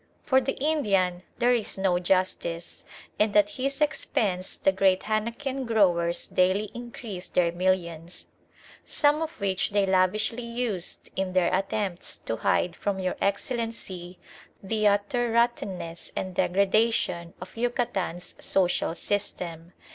For the Indian there is no justice, and at his expense the great henequen growers daily increase their millions, some of which they lavishly used in their attempts to hide from Your Excellency the utter rottenness and degradation of Yucatan's social system.